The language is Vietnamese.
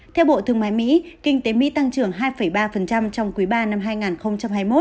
theo bộ thương mại mỹ kinh tế mỹ tăng trưởng hai ba trong quý ba năm hai nghìn hai mươi một